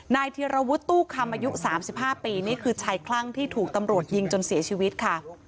เทียรวุฒิตู้คำอายุ๓๕ปีนี่คือชายคลั่งที่ถูกตำรวจยิงจนเสียชีวิตค่ะ